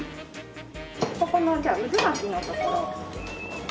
ここのじゃあ渦巻きのところ。